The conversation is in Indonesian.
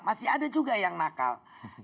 masih ada juga yang nakal